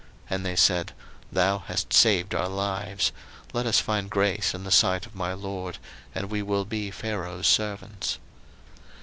01:047:025 And they said, Thou hast saved our lives: let us find grace in the sight of my lord, and we will be Pharaoh's servants.